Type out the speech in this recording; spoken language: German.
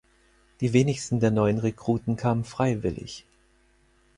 Die wenigsten der neuen Rekruten kamen freiwillig.